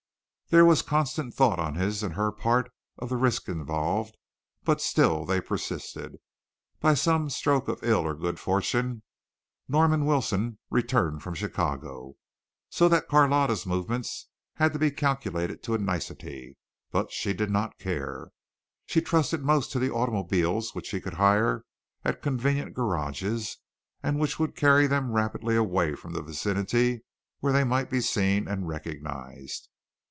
There was constant thought on his and her part of the risk involved, but still they persisted. By some stroke of ill or good fortune Norman Wilson returned from Chicago, so that Carlotta's movements had to be calculated to a nicety, but she did not care. She trusted most to the automobiles which she could hire at convenient garages and which would carry them rapidly away from the vicinity where they might be seen and recognized.